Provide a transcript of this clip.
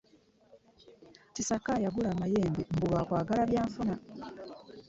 Kisaka yagula amayembe mbu lwa kwagala byanfuna.